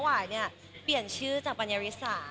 หวายเนี่ยเปลี่ยนชื่อจากปัญญาริสา